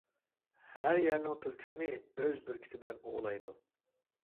ھەر يەرنىڭ تۈلكىسىنى ئۆز بۈركۈتى بىلەن ئوۋلايدۇ.